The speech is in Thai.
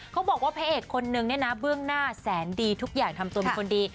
เขาบอกว่าพระเอกคนนึงเนี่ยนะเบื้องหน้าแสนดีทุกอย่างทำตัวเป็นคนดี